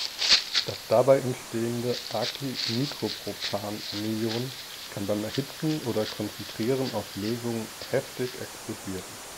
Das dabei entstehende aci-Nitropropan-Anion kann beim Erhitzen oder Konzentrieren aus Lösungen heftig explodieren.